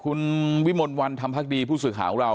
คุณวิมนต์วันธรรมภักดีผู้สื่อของเรา